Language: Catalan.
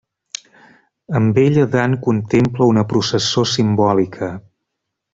Amb ella Dant contempla una processó simbòlica.